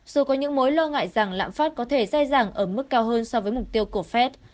dù có những mối lo ngại rằng lãm phát có thể dài dàng ở mức cao hơn so với mục tiêu của fed